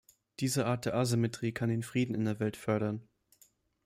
Diese Art der Asymmetrie kann den Frieden in der Welt fördern.